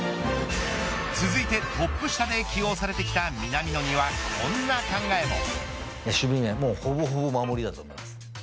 続いてトップ下で起用されてきた南野にはこんな考えも。